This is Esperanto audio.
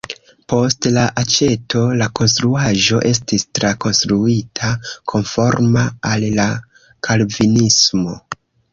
Post la aĉeto la konstruaĵo estis trakonstruita konforma al la kalvinismo.